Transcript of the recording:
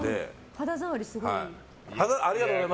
肌触りすごいいい。